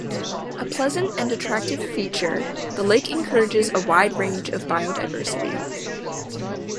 A pleasant and attractive feature, the lake encourages a wide range of bio-diversity.